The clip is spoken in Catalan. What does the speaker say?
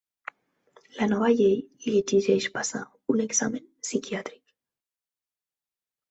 La nova llei li exigeix passar un examen psiquiàtric.